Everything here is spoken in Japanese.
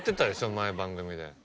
前番組で。